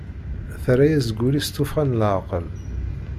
Terra-as Guli s tufɣa n laɛqel.